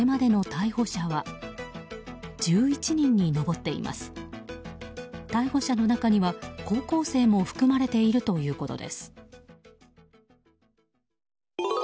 逮捕者の中には高校生も含まれているということです。